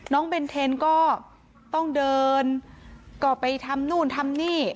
เบนเทนก็ต้องเดินก็ไปทำนู่นทำนี่